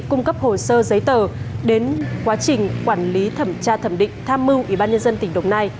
cung cấp hồ sơ giấy tờ đến quá trình quản lý thẩm tra thẩm định tham mưu ủy ban nhân dân tỉnh đồng nai